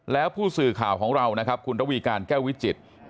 แล้วผู้สื่อข่าวของเรานะครับคุณระวีการแก้ววิจิตร